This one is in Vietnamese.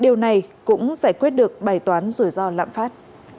điều này cũng sẽ đáp ứng giải quyết được bài toán rủi ro lạm phát